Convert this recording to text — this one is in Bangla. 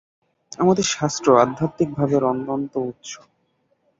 আমাদের শাস্ত্র আধ্যাত্মিক ভাবের অনন্ত উৎস।